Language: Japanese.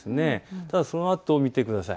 ただ、そのあとを見てください。